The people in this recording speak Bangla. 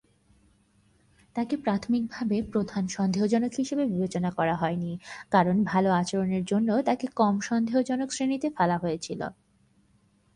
তাকে প্রাথমিকভাবে প্রধান সন্দেহজনক হিসাবে বিবেচনা করা হয়নি, কারণ ভাল আচরণের জন্য তাকে কম সন্দেহজনক শ্রেণীতে ফেলা হয়েছিল।